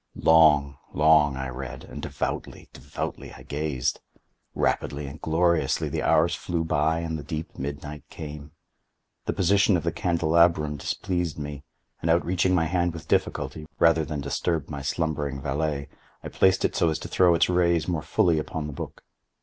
Long, long I read—and devoutly, devotedly I gazed. Rapidly and gloriously the hours flew by and the deep midnight came. The position of the candelabrum displeased me, and outreaching my hand with difficulty, rather than disturb my slumbering valet, I placed it so as to throw its rays more fully upon the book.